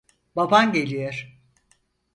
Baban geliyor.